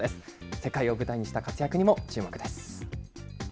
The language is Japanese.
世界を舞台にした活躍にも注目です。